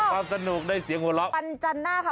ได้ความสนุกได้เสียหัวเราะ